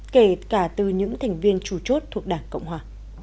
kể cả từ những thành viên chủ chốt thuộc đảng cộng hòa